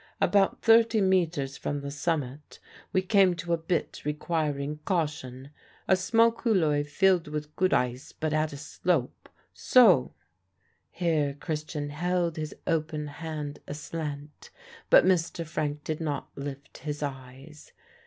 About thirty metres from the summit we came to a bit requiring caution; a small couloir filled with good ice but at a slope so!" Here Christian held his open hand aslant, but Mr. Frank did not lift his eyes.